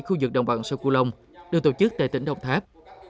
khu vực đồng bằng sông cửu long được tổ chức tại tỉnh đồng tháp